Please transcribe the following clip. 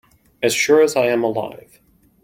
As sure as I am alive.